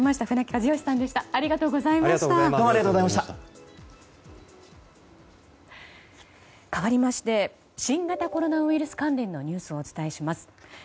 かわりまして新型コロナウイルス関連のニュースをお伝えします。